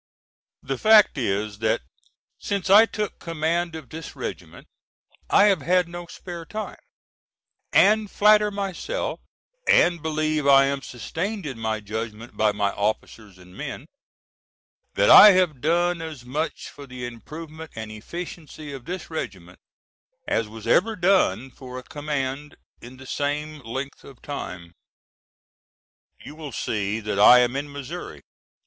The fact is that since I took command of this regiment I have had no spare time, and flatter myself, and believe I am sustained in my judgment by my officers and men, that I have done as much for the improvement and efficiency of this regiment as was ever done for a command in the same length of time. You will see that I am in Missouri.